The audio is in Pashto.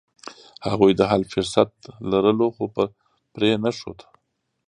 هغوی د حل فرصت لرلو، خو پرې یې نښود.